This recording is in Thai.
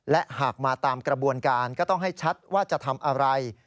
และหากมาตามกระบวนการก็ต้องให้ชัดว่าจะทำอะไร